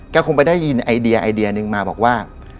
ก็คงไปได้ยินไอเดียไอเดียหนึ่งมาบอกว่า